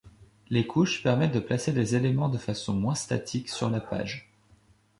Les couches permettent de placer des éléments de façon moins statique sur la page.